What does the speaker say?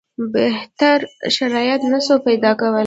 بهتر شرایط نه سو پیدا کولای.